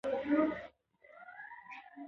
پسه د افغانستان د کلتوري میراث یوه برخه ده.